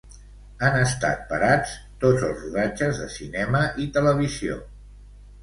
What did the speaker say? Han estat parats tots els rodatges de cinema i televisió.